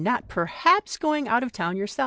63 not perhaps going out of town yourself?